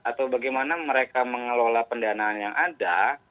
atau bagaimana mereka mengelola pendanaan yang ada